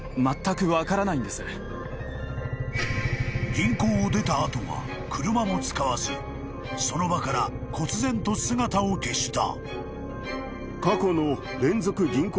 ［銀行を出た後は車も使わずその場からこつぜんと姿を消した］